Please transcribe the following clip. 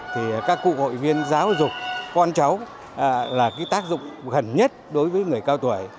thì các cụ hội viên giáo dục con cháu là cái tác dụng gần nhất đối với người cao tuổi